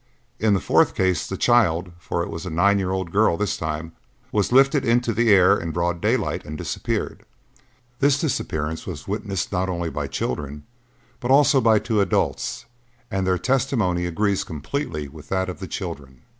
In the fourth case the child, for it was a nine year old girl this time, was lifted into the air in broad daylight and disappeared. This disappearance was witnessed, not only by children, but also by two adults, and their testimony agrees completely with that of the children.